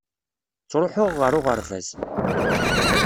Ttruḥuɣ ɣer uɣerbaz.